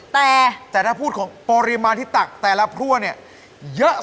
ตักได้เท่าไหร่